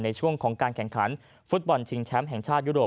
ในช่วงของการแข่งขันฟุตบอลชิงแชมป์แห่งชาติยุโรป